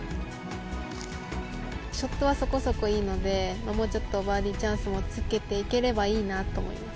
ショットはそこそこいいので、もうちょっとバーディーチャンスもつけていければいいなと思います。